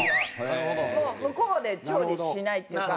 もう向こうで調理しないっていうか。